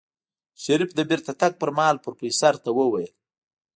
شريف د بېرته تګ پر مهال پروفيسر ته وويل.